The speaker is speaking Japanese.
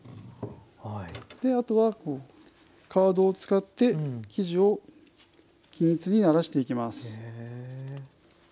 あとはカードを使って生地を均一にならしていきます。